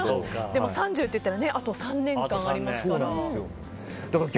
でも３０っていったらあと３年間ありますから。